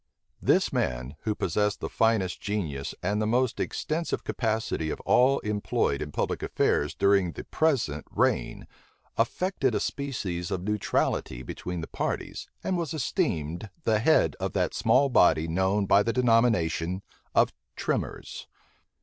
This man, who possessed the finest genius and most extensive capacity of all employed in public affairs during the present reign, affected a species of neutrality between the parties and was esteemed the head of that small body known by the denomination of "trimmers."